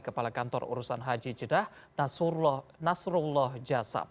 kepala kantor urusan haji jeddah nasrullah jasab